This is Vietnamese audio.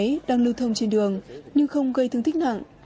tài xế đang lưu thông trên đường nhưng không gây thương thích nặng